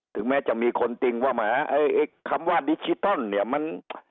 ถึงแม้จะมีคนติ้งว่าแหมไอ้คำว่าดิจิตอลเนี่ยมัน